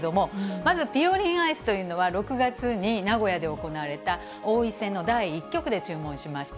まずぴよりんアイスというのは、６月に名古屋で行われた王位戦の第１局で注文しました。